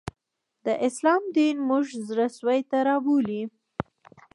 د اسلام دین موږ زړه سوي ته رابولي